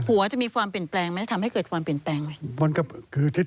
จะมีความเปลี่ยนแปลงไหมจะทำให้เกิดความเปลี่ยนแปลงไหม